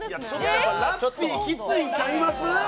ラッピー、きついんちゃいます？